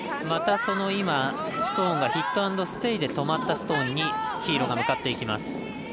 また、そのストーンがヒットアンドステイで止まったストーンに黄色が向かっていきます。